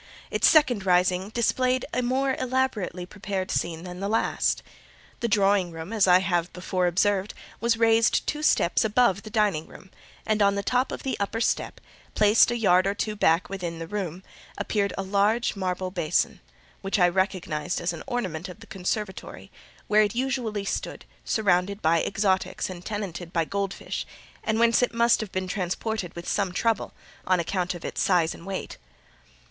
Its second rising displayed a more elaborately prepared scene than the last. The drawing room, as I have before observed, was raised two steps above the dining room, and on the top of the upper step, placed a yard or two back within the room, appeared a large marble basin, which I recognised as an ornament of the conservatory—where it usually stood, surrounded by exotics, and tenanted by gold fish—and whence it must have been transported with some trouble, on account of its size and weight.